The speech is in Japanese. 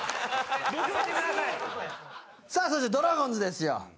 さあそしてドラゴンズですよ。